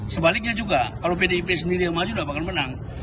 sebaliknya juga kalau pdip sendiri yang maju nggak bakal menang